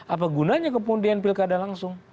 apa gunanya kemudian pilkada langsung